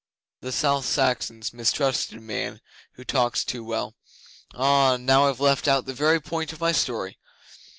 The South Saxons mistrust a man who talks too well. Ah! Now, I've left out the very point of my story.